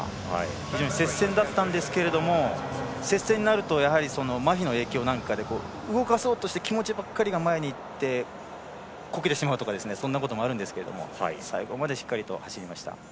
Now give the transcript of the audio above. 非常に接戦だったんですけれども接戦になるとまひの影響なんかで動かそうとして気持ちばっかりが前にいってこけてしまうとかそんなこともあるんですけど最後までしっかりと走りました。